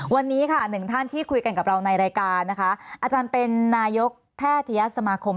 วันนี้ค่ะ๑ท่านที่คุยกันกับเราในรายการนะคะอาจารย์เป็นนายกแพทยสมาคมแห่งประเทศไทย